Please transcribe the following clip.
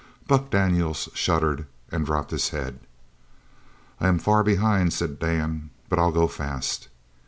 Buck Daniels shuddered and dropped his head. "I am far behind," said Dan, "but I'll go fast."